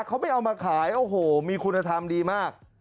เขาไม่เอามาขายโอ้โหมีคุณธรรมดีมาก